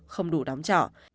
không đủ đóng trọ